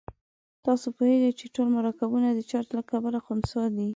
تاسې پوهیږئ چې ټول مرکبونه د چارج له کبله خنثی دي.